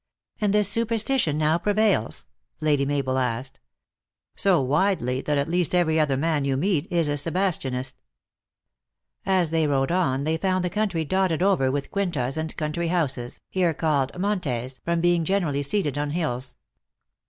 "" And this superstition now prevails?" Lady Mabel asked. " So widely, that at least every other man you meet is a Sebastianist." As they rode on they found the country dotted over with quintas arid country houses, here called monies, from being generally seated on hills.